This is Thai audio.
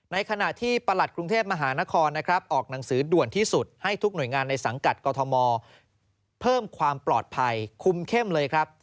ในขณะที่ประหลัดกรุงเทพมหานครนะครับออกหนังสือด่วนที่สุดให้ทุกหน่วยงานในสังกัดกรทมเพิ่มความปลอดภัยคุมเข้มเลยครับ